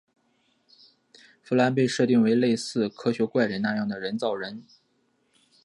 芙兰被设定为类似科学怪人那样的人造人。